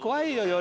夜。